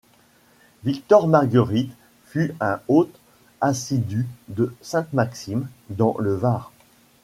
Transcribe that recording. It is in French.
Victor Margueritte fut un hôte assidu de Sainte-Maxime, dans le Var.